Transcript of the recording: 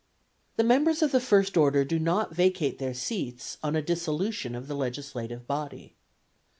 The members of the first order do not vacate their seats on a dissolution of the legislative body.